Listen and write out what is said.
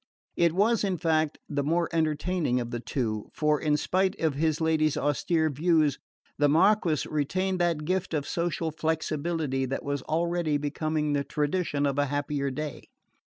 It was, in fact, the more entertaining of the two; for, in spite of his lady's austere views, the Marquis retained that gift of social flexibility that was already becoming the tradition of a happier day.